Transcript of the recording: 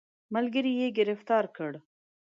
ملګري یې ګرفتار کړ.